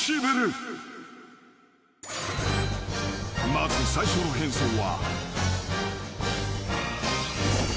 ［まず最初の変装は］